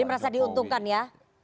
jadi merasa diuntungkan ya